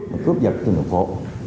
và cướp giật trong đồng phố